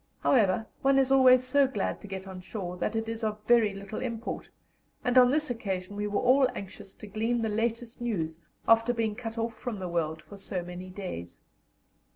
However, one is always so glad to get on shore that it is of very little import, and on this occasion we were all anxious to glean the latest news after being cut off from the world for so many days.